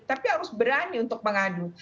tapi harus berani untuk mengadu